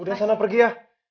udah sana pergi ya